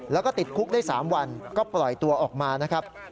แล้วก็ติดคุกได้๓วันก็ปล่อยตัวออกมานะครับ